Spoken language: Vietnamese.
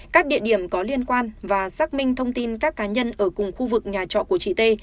các địa điểm có liên quan và xác minh thông tin các cá nhân ở cùng khu vực nhà trọ của chị t